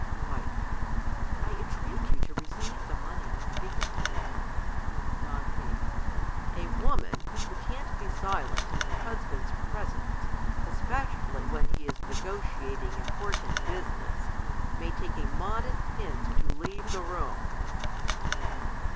Iflfe, I entreat you to receive the money , and be content. Don P, A woman, who can't be silent in her hus band's presence, especially when he is negociating im portant business, may take a modest hint to leave the room.